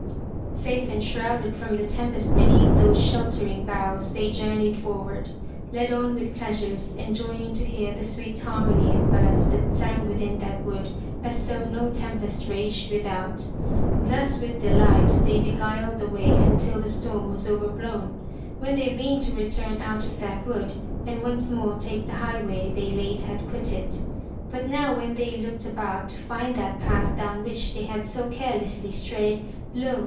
Safe enshrouded from the tempest beneath those sheltering boughs they journeyed forward, led on with pleasures, and joying to hear the sweet harmony of birds that sang within that wood as though no tempest raged without. Thus with delight they beguiled the way until the storm was overblown, when they weened to return out of that wood, and once more take the high way they late had quitted. But now when they looked about to find that path down which they had so carelessly strayed, lo!